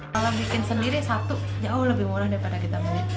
kalau bikin sendiri satu jauh lebih murah daripada kita beli